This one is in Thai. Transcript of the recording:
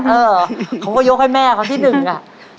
เออเขาก็ยกให้แม่เขาที่หนึ่งอ่ะ